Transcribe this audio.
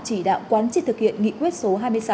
chỉ đạo quán triệt thực hiện nghị quyết số hai mươi sáu